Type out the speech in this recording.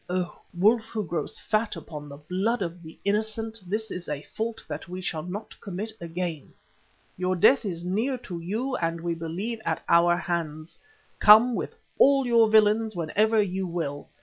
Oh! wolf who grows fat upon the blood of the innocent, this is a fault that we shall not commit again. Your death is near to you and we believe at our hands. Come with all your villains whenever you will.